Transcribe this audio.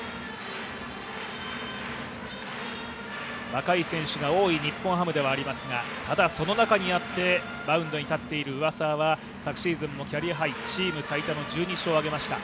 若い選手が多い日本ハムではありますが、ただその中にあってマウンドに立っている上沢は昨シーズンもキャリアハイチーム最多の１２勝を挙げました。